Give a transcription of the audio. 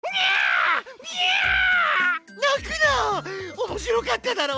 おもしろかっただろ！